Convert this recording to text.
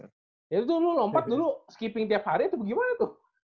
ya itu lo lompat dulu skipping tiap hari itu gimana tuh